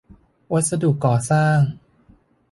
วัสดุก่อสร้าง